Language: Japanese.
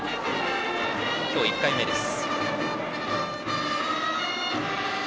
今日１回目です。